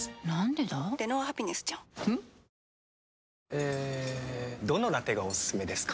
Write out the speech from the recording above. えどのラテがおすすめですか？